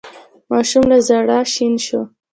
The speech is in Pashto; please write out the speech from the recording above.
ماشوم له ژړا شين شو.